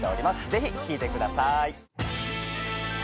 ぜひ聴いてください。